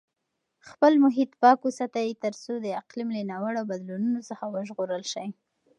خپل محیط پاک وساتئ ترڅو د اقلیم له ناوړه بدلونونو څخه وژغورل شئ.